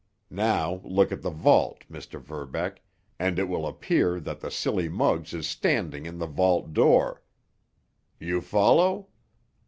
Now look at the vault, Mr. Verbeck, and it will appear that the silly Muggs is standing in the vault door. You follow?